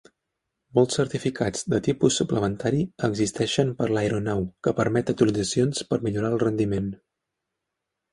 Molts certificats de tipus suplementari existeixen per l'aeronau que permet actualitzacions per millorar el rendiment.